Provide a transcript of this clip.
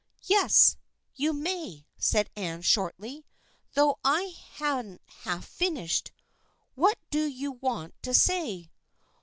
" Yes, you may," said Anne, shortly, " though I hadn't half finished. What do you want to say?"